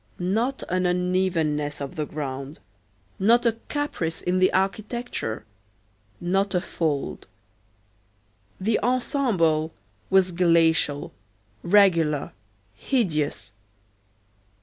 Not an unevenness of the ground, not a caprice in the architecture, not a fold. The ensemble was glacial, regular, hideous.